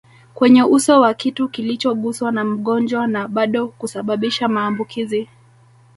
kwenye uso wa kitu kilichoguswa na mgonjwa na bado kusababisha maambukizi